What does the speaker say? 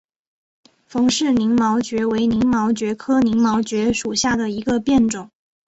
冯氏鳞毛蕨为鳞毛蕨科鳞毛蕨属下的一个变种。